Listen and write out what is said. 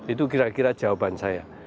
itu kira kira jawaban saya